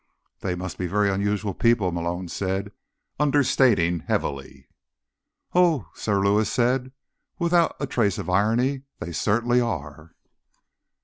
"They must be very unusual people," Malone said, understating heavily. "Oh," Sir Lewis said, without a trace of irony, "they certainly are."